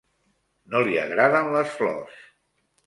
No li agraden les flors.